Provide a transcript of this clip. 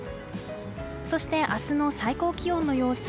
そして、明日の最高気温の様子。